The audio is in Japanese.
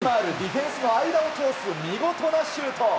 ネイマールディフェンスの間を通す見事なシュート。